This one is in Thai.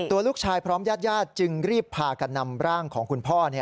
ตัวลูกชายพร้อมญาติญาติจึงรีบพากันนำร่างของคุณพ่อ